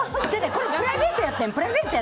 プライベートやってん。